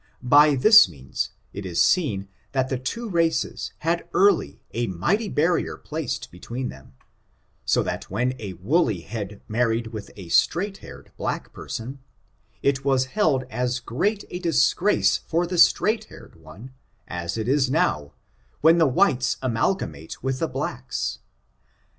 By this means, it is seen that the two races had early a mighty barrier placed between them, so that when a woolly head married with a stnught haired black person, it was held as great a disgrace for the straight haired one, as it is now, when the whites amalgamate with the blacks.